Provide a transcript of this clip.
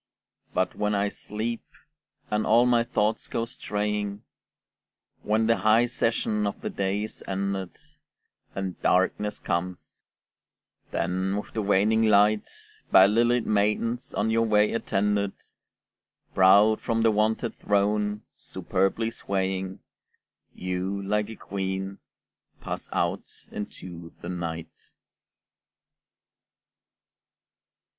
But when I sleep, and all my thoughts go straying, When the high session of the day is ended, And darkness comes; then, with the waning light, By lilied maidens on your way attended, Proud from the wonted throne, superbly swaying, You, like a queen, pass out into the night.